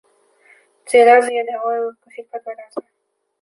– Три раза я давал ей откусить по два раза.